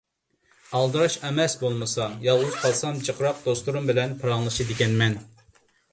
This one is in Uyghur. ئالدىراش ئەمەس بولمىسا. يالغۇز قالسام جىقراق دوستۇم بىلەن پاراڭلىشىدىكەنمەن.